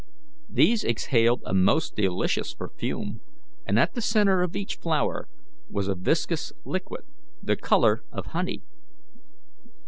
These exhaled a most delicious perfume, and at the centre of each flower was a viscous liquid, the colour of honey.